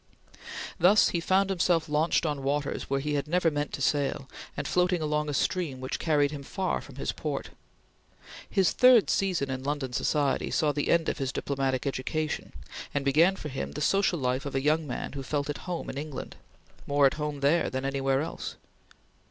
Thus he found himself launched on waters where he had never meant to sail, and floating along a stream which carried him far from his port. His third season in London society saw the end of his diplomatic education, and began for him the social life of a young man who felt at home in England more at home there than anywhere else.